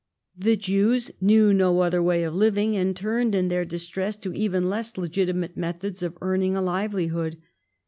The Jews knew no other way of living, and turned in their distress to even less legitimate methods of earning a livelihood.